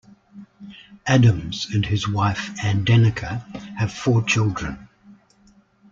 Adams and his wife, Andenika, have four children.